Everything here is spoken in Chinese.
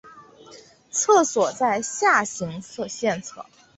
厕所在下行线侧。